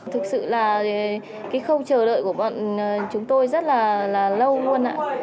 thực sự là cái khâu chờ đợi của bọn chúng tôi rất là lâu luôn ạ